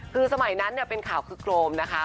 คือสมัยนั้นเป็นข่าวคึกโครมนะคะ